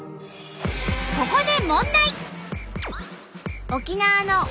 ここで問題。